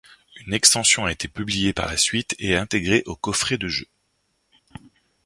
Une extension a été publiée par la suite et intégrée au coffret de jeu.